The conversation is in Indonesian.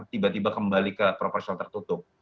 tiba tiba kembali ke proporsional tertutup